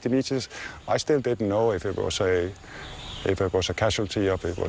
มันเป็นตัวแรกหรือเป็นหัวหน้า